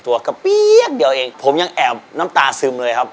กระเปี๊ยกเดียวเองผมยังแอบน้ำตาซึมเลยครับ